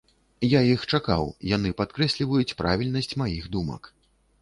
Я іх чакаў, яны падкрэсліваюць правільнасць маіх думак.